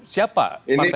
siapa partai yang berwarna